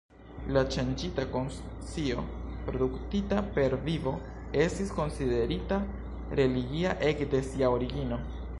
La ŝanĝita konscio produktita per vino estis konsiderita religia ekde sia origino.